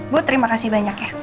bu terima kasih banyak ya